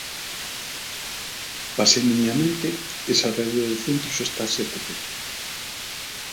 Paseniñamente, esa rede de centros estase a tecer.